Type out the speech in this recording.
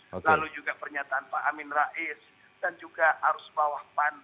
lalu juga pernyataan pak amin rais dan juga arus bawah pan